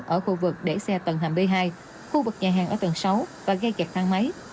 ở khu vực để xe tầng hầm b hai khu vực nhà hàng ở tầng sáu và gây kẹt thang máy